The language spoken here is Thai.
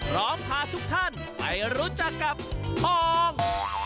พร้อมพาทุกท่านไปรู้จักกับทอง